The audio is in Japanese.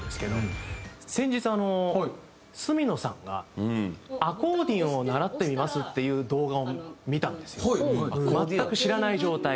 先日角野さんが「アコーディオンを習ってみます」っていう動画を見たんですよ。